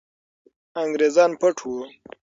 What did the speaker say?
انګریزان پټ وو.